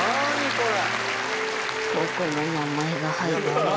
これ！」